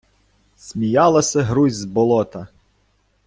сміяласи грузь з болота